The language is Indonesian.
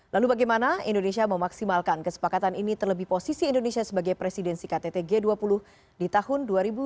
lalu bagaimana indonesia memaksimalkan kesepakatan ini terlebih posisi indonesia sebagai presidensi ktt g dua puluh di tahun dua ribu dua puluh